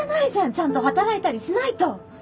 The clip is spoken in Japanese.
ちゃんと働いたりしないと！